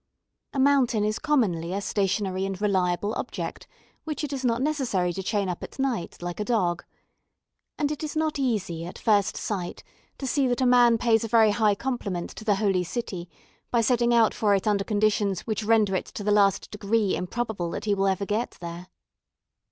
A mountain is commonly a stationary and reliable object which it is not necessary to chain up at night like a dog. And it is not easy at first sight to see that a man pays a very high compliment to the Holy City by setting out for it under conditions which render it to the last degree improbable that he will ever get there.